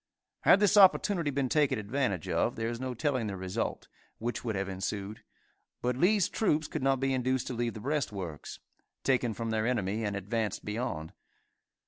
Had this opportunity been taken advantage of, there is no telling the result, which would have ensued, but Lee's troops could not be induced to leave the breastworks, taken from their enemy and advance beyond.